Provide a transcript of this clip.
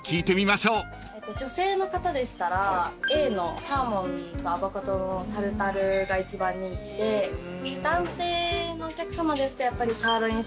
女性の方でしたらＡのサーモンとアボカドのタルタルが一番人気で男性のお客さまですとやっぱりサーロインステーキご注文される。